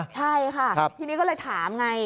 ใช่ค่ะทีนี้ก็เลยถามไง